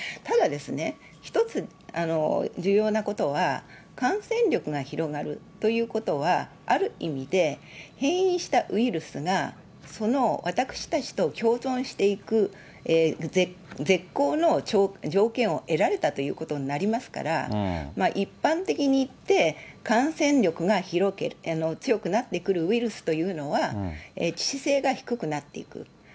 ただですね、一つ重要なことは、感染力が広がるということは、ある意味で、変異したウイルスがその私たちと共存していく絶好の条件を得られたということになりますから、一般的に言って、感染力が強くなってくるウイルスというのは、致死性が低くなっていく。